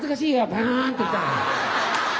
バーンっていったの。